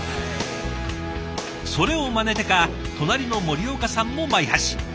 それをまねてか隣の森岡さんもマイ箸。